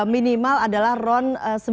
minimal adalah ron